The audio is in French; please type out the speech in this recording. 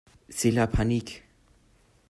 C'est la panique!